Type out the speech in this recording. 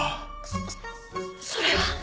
そそれは。